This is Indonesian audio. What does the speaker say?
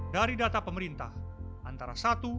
dari data pemerintah antara satu dua dua belas tiga belas tujuh belas